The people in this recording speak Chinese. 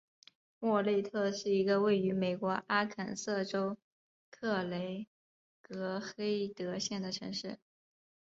莫内特是一个位于美国阿肯色州克雷格黑德县的城市。